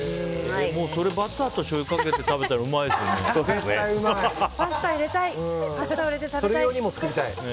それバターとしょうゆかけたらうまいですよね。